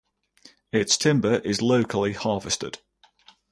Its timber is locally harvested.